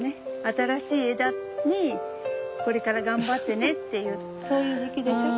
新しい枝にこれから頑張ってねっていうそういう時期でしょ。